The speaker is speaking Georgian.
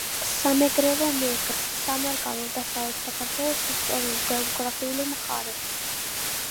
სამეგრელო მეგრ. სამარგალო დასავლეთ საქართველოს ისტორიულ-გეოგრაფიული მხარე.